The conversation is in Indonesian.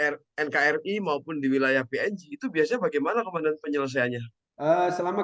rnk ri maupun di wilayah png itu biasanya bagaimana kemanus penyelesaiannya selama